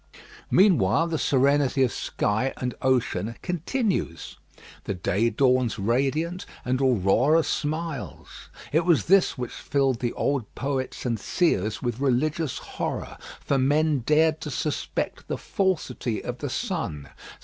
Meanwhile the serenity of sky and ocean continues. The day dawns radiant, and Aurora smiles. It was this which filled the old poets and seers with religious horror; for men dared to suspect the falsity of the sun.